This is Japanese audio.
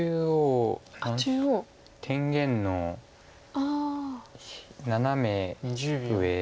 中央天元のナナメ上の。